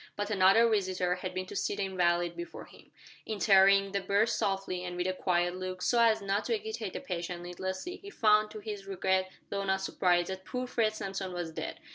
But another visitor had been to see the invalid before him. Entering the berth softly, and with a quiet look, so as not to agitate the patient needlessly, he found to his regret, though not surprise, that poor Fred Samson was dead.